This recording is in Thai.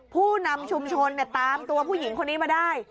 ผู้นำชุมชนตามตัวผู้หญิงคนนี้มาได้